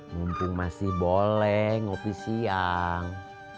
mumpung masih boleh ngopi siang